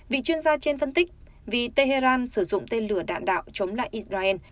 vị chuyên gia trên phân tích vì tehran sử dụng tên lửa đạn đạo chống lại israel